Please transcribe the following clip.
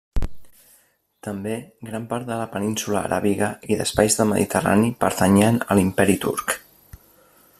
També gran part de la península Aràbiga i d'espais de Mediterrani pertanyien a l'Imperi turc.